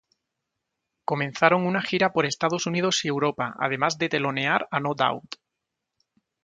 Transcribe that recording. Comenzaron una gira por Estados Unidos y Europa además de telonear a No Doubt.